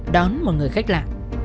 đón một người khách lạ